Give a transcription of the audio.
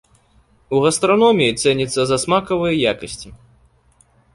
У гастраноміі цэніцца за смакавыя якасці.